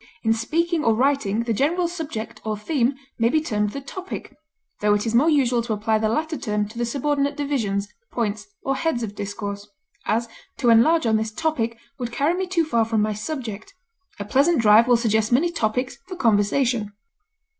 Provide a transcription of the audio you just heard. In speaking or writing the general subject or theme may be termed the topic, tho it is more usual to apply the latter term to the subordinate divisions, points, or heads of discourse; as, to enlarge on this topic would carry me too far from my subject; a pleasant drive will suggest many topics for conversation.